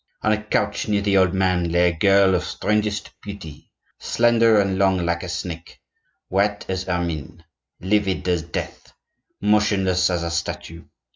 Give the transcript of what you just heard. On a couch, near the old man, lay a girl of strangest beauty,—slender and long like a snake, white as ermine, livid as death, motionless as a statue.